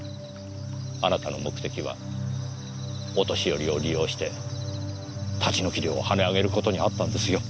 あなたの目的はお年寄りを利用して立ち退き料を跳ね上げることにあったんですよ。